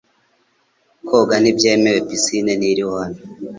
Koga ntibyemewe pisine ntiri hano .